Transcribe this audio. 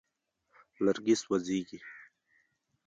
لرګي سوځېږي.